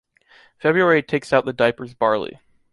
February takes out the diaper’s barley.